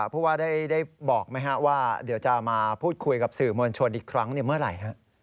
ผู้ว่าได้บอกไหมว่าเดี๋ยวจะมาพูดคุยกับสื่อมวลชนอีกครั้งเมื่อไหร่